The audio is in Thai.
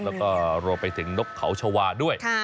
แล้วก็โรไปถึงนกขาวเฉาาด้วย